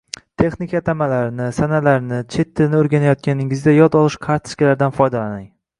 Texnika atamalarini, sanalarni, chet tilini o‘rganayotganingizda yod olish kartochkalaridan foydalaning.